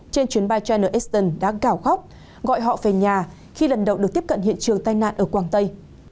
trên chuyến bay china eastern đã gào góc gọi họ về nhà khi lần đầu được tiếp cận hiện trường tai nạn ở quảng tây